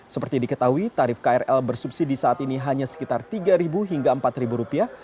seperti diketahui tarif krl bersubsidi saat ini hanya sekitar tiga hingga empat rupiah